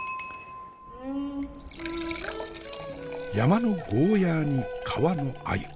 山のゴーヤーに川の鮎。